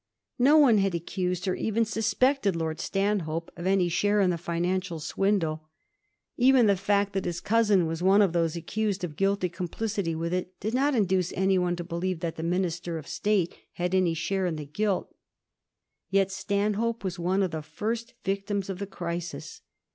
No one had accused, or even suspected. Lord Stanhope of any share in the financial swindle. Even the fact that his cousin was one of those accused of guilty complicity with it did not induce any one to believe that the Minister of State had any share in the guUt. Yet Stanhope was one of the first victims of the crisis.